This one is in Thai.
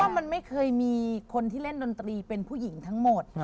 มันไม่เคยมีคนที่เล่นดนตรีเป็นผู้หญิงทั้งหมด